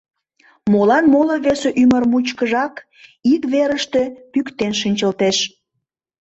Молан моло-весе ӱмыр мучкыжак ик верыште пӱктен шинчылтеш?